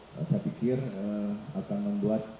saya pikir akan membuat